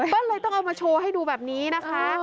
ก็เลยต้องเอามาโชว์ให้ดูแบบนี้นะคะ